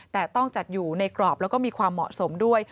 แต่ต้องจัดอยู่ในกรอบแล้วก็มีความเหมาะสมด้วย